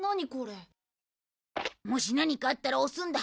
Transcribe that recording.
もし何かあったら押すんだ。